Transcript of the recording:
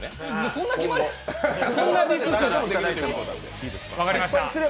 そんな決まりある？